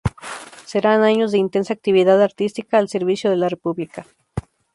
Serán años de intensa actividad artística al servicio de la República.